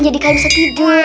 jadi kalian bisa tidur